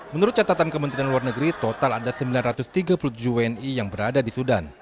menurut catatan kementerian luar negeri total ada sembilan ratus tiga puluh tujuh wni yang berada di sudan